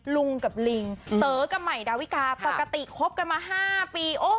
ลุงกับลิงเต๋อกับใหม่ดาวิกาปกติคบกันมา๕ปี